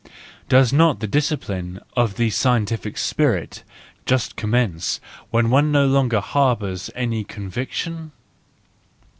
Does not the discipline of the scientific spirit just commence when one no longer harbours any conviction